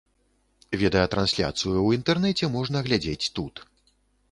Відэатрансляцыю ў інтэрнэце можна глядзець тут.